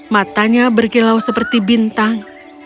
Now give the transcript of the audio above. matanya berkilau seperti bintang